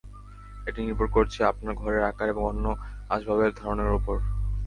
এটি নির্ভর করছে আপনার ঘরের আকার এবং অন্য আসবাবের ধরনের ওপর।